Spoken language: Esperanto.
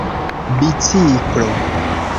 biciklo